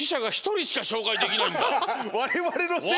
われわれのせい。